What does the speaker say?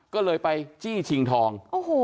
ก็เลยไปจี้ชิงทอง